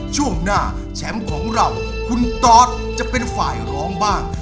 ช่วงหน้าแชมป์ของเราคุณตอสจะเป็นฝ่ายร้องบ้าง